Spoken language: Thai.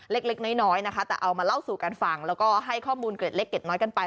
เล็กน้อยนะคะแต่เอามาเล่าสู่กันฟังแล้วก็ให้ข้อมูลเกร็ดเล็กเกร็ดน้อยกันไป